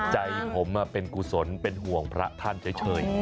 ใจผมเป็นกุศลเป็นห่วงพระท่านเฉย